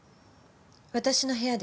私の部屋です。